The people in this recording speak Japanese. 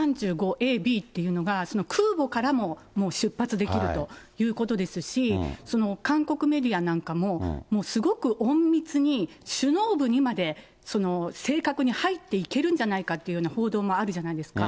Ａ・Ｂというのが、空母からももう出発できるということですし、その韓国メディアなんかも、すごく隠密に首脳部にまで正確に入っていけるんじゃないかという報道があるじゃないですか。